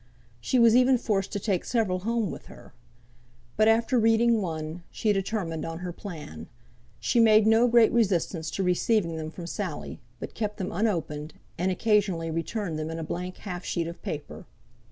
She was even forced to take several home with her. But after reading one, she determined on her plan. She made no great resistance to receiving them from Sally, but kept them unopened, and occasionally returned them in a blank half sheet of paper.